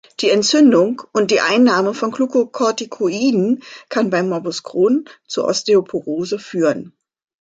Die Entzündung und die Einnahme von Glukokortikoiden kann beim Morbus Crohn zu Osteoporose führen.